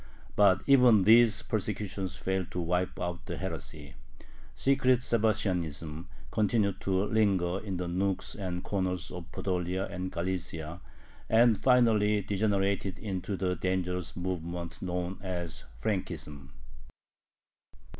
But even these persecutions failed to wipe out the heresy. Secret Sabbatianism continued to linger in the nooks and corners of Podolia and Galicia, and finally degenerated into the dangerous movement known as Frankism.